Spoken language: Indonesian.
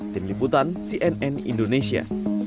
tim liputan cnn indonesia